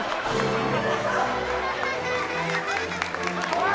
おい！